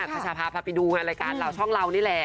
ประชาพาพาไปดูงานรายการเราช่องเรานี่แหละ